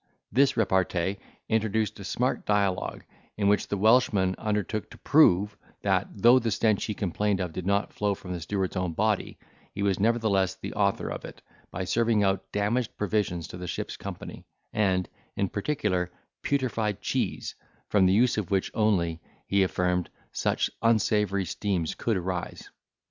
This repartee introduced a smart dialogue, in which the Welshman undertook to prove, that, though the stench he complained of did not flow from the steward's own body, he was nevertheless the author of it, by serving out damaged provisions to the ship's company; and, in particular, putrified cheese, from the use of which only, he affirmed, such unsavoury steams could arise.